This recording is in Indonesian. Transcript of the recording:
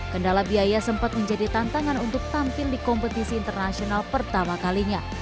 kendala biaya sempat menjadi tantangan untuk tampil di kompetisi internasional pertama kalinya